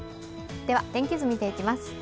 天気図、見ていきます。